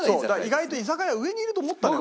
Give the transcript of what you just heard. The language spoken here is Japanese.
意外と居酒屋上にいると思ったのよ。